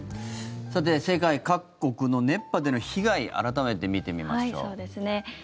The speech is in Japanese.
世界各国の熱波での被害改めて見てみましょう。